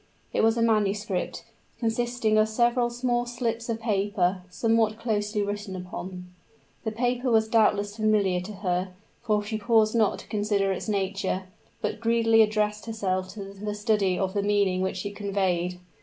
It was a manuscript, consisting of several small slips of paper, somewhat closely written upon. The paper was doubtless familiar to her; for she paused not to consider its nature, but greedily addressed herself to the study of the meaning which it conveyed.